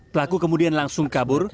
pelaku kemudian langsung kabur